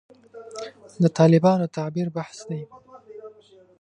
د طالبانو د تعبیر بحث دی.